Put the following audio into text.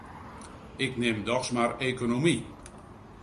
Ik nim dochs mar ekonomy.